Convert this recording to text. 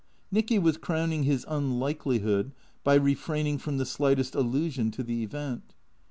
Nicky was crowning his unlikelihood by refraining from the slightest allusion to the event.